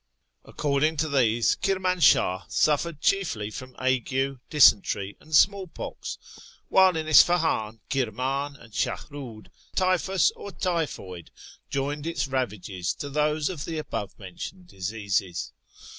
According to these, Kirmansluih suffered chiefly from ague, dysentery, and small pox, while in Isfah; in, Kirman, and. Shahriid, typhus, or typhoid, joined its ravages to those of the above mentioned diseases.